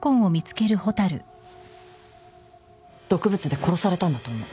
毒物で殺されたんだと思う。